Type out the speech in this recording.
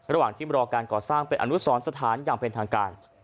ระหว่างที่รอการก่อสร้างเป็นอนุสรสถานอย่างเป็นทางการ